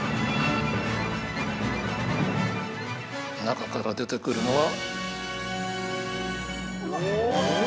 中から出てくるのは。